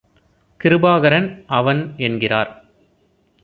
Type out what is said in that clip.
கிருபாகரன் அவன் என்கிறார்.